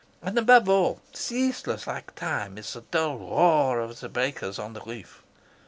And above all, ceaseless like time, is the dull roar of the breakers on the reef.